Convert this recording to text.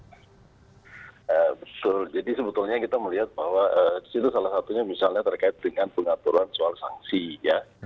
jadi sebetulnya kita melihat bahwa disitu salah satunya misalnya terkait dengan pengaturan soal sanksi ya